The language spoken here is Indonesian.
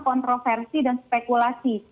kontroversi dan spekulasi